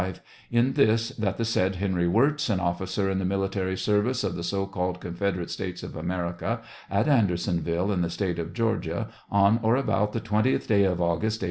— In this : that the said Henry Wirz, an officer in the military service of the so called Confederate States of America, at Andersonville, in the State of Georgia, on or about the twentieth day of August, A.